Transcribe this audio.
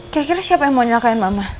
kira kira siapa yang mau nyakain mama